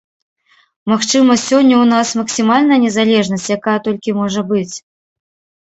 Магчыма, сёння ў нас максімальная незалежнасць, якая толькі можа быць?